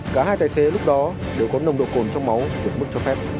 cả hai tài xế lúc đó đều có nồng độ cồn trong máu vượt mức cho phép